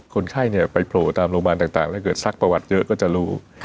คนไข้ไปโผล่ตามโรงพยาบาลต่างถ้าเกิดซักประวัติเยอะก็จะรู้